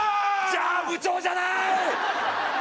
じゃあ部長じゃない！